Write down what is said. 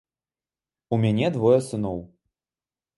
У мяне двое сыноў.